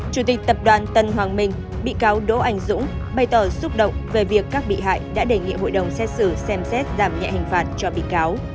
chủ tịch tập đoàn tân hoàng minh bị cáo đỗ anh dũng bày tỏ xúc động về việc các bị hại đã đề nghị hội đồng xét xử xem xét giảm nhẹ hình phạt cho bị cáo